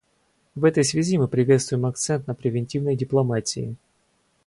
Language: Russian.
В этой связи мы приветствуем акцент на превентивной дипломатии.